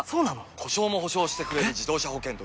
故障も補償してくれる自動車保険といえば？